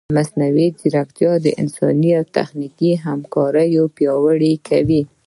مصنوعي ځیرکتیا د انسان او تخنیک همکاري پیاوړې کوي.